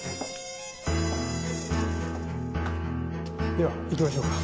では行きましょうか。